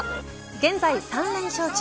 現在３連勝中。